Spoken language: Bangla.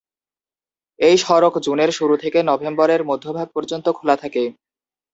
এই সড়ক জুনের শুরু থেকে নভেম্বরের মধ্যভাগ পর্যন্ত খোলা থাকে।